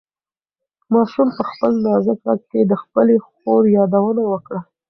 ماشوم په خپل نازک غږ کې د خپلې خور یادونه وکړه.